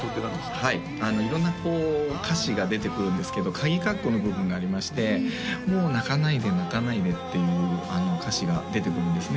はい色んな歌詞が出てくるんですけどかぎかっこの部分がありまして「もう泣かないで」「泣かないで」っていう歌詞が出てくるんですね